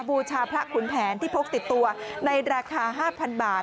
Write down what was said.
บูชาพระขุนแผนที่พกติดตัวในราคา๕๐๐บาท